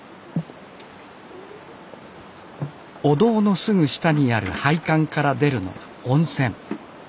お堂のすぐ下にある配管から出るのは温泉。